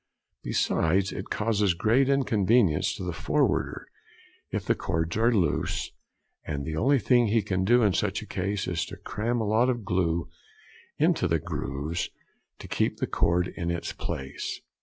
Besides, it causes great inconvenience to the forwarder if the cords are loose, and the only thing he can do in such a case is to cram a lot of glue into the grooves to keep the cord in its place.